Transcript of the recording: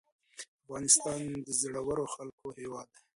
افغانستان د زړورو خلکو هیواد دی